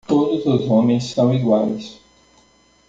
Todos os homens são iguais.